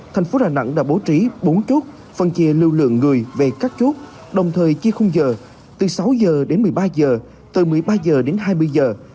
thành phố đà nẵng đã bố trí bốn chốt phân chia lưu lượng người về các chốt đồng thời chia khung giờ từ sáu giờ đến một mươi ba giờ từ một mươi ba giờ đến hai mươi giờ